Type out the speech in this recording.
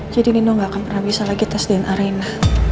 jadi nino gak akan pernah bisa lagi tes dna rena